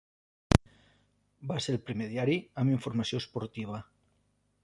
Va ser el primer diari amb informació esportiva.